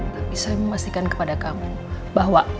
tapi saya memastikan kepada kamu bahwa